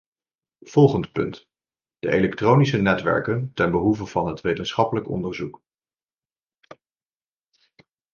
Volgend punt: de elektronische netwerken ten behoeve van het wetenschappelijk onderzoek.